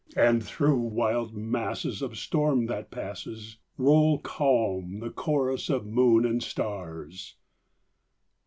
And through wild masses of storm, that passes, Roll calm the chorus of moon and stars.